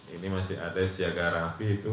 ini masih ada siaga rapi itu